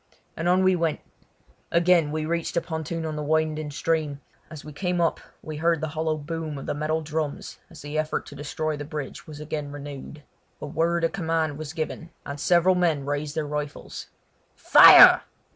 and on we went. Again we reached a pontoon on the winding stream; as we came up we heard the hollow boom of the metal drums as the efforts to destroy the bridge was again renewed. A word of command was given, and several men raised their rifles. "Fire!"